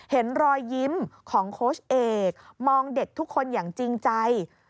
เห็นรอยยิ้มของโค้ชเอกมองเด็กทุกคนอย่างจริงใจ